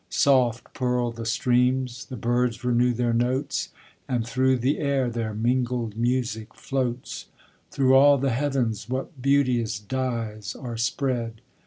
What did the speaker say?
Soft purl the streams, the birds renew their notes, And through the air their mingled music floats, Through all the heav'ns what beauteous dyes are spread!